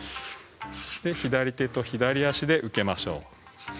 左手と左足で受けましょう。